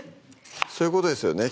そういうことですよね